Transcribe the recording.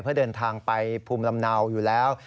เพื่อเดินทางไปภูมิลำเนาอยู่แล้ว